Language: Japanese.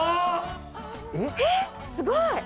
すごい。